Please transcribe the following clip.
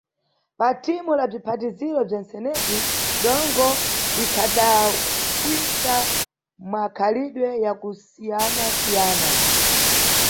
Pa thimu la bziphatiziro bzentsenebzi dongo likhadabwisa mmakhalidwe ya kusiyana-siyana.